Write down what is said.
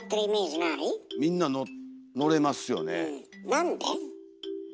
なんで？